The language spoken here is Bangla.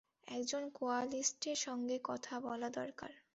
একজন কোয়ালিস্টের সঙ্গে কথা বলা দরকার।